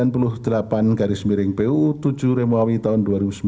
pasal empat puluh delapan garis miring buu tujuh remoli tahun dua ribu sembilan